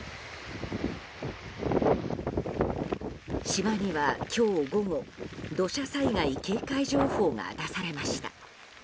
島には今日午後土砂災害警戒情報が出されました。